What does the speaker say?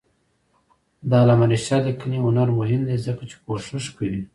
د علامه رشاد لیکنی هنر مهم دی ځکه چې کوشش کوي.